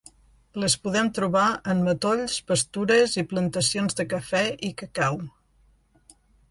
Les podem trobar en matolls, pastures i plantacions de cafè i cacau.